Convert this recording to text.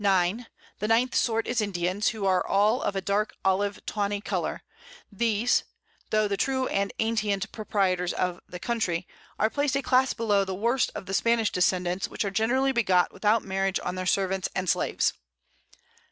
The 9th Sort is Indians, who are all of a dark Olive tawny Colour; these (tho' the true and antient Proprietors of the Country) are placed a Class below the worst of the Spanish Descendants, which are generally begot without Marriage on their Servants and Slaves.